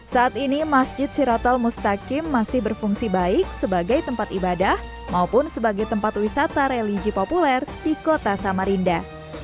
saat ini masjid sirotol mustaqim masih berfungsi baik sebagai tempat ibadah maupun sebagai tempat wisata religi populer di kota samarinda